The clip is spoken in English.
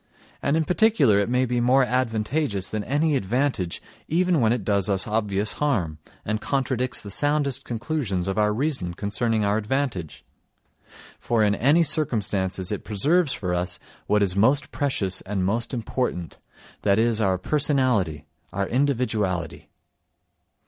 And in particular it may be more advantageous than any advantage even when it does us obvious harm, and contradicts the soundest conclusions of our reason concerning our advantage—for in any circumstances it preserves for us what is most precious and most important—that is, our personality, our individuality.